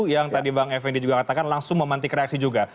yang tadi bang effendi juga katakan langsung memantik reaksi juga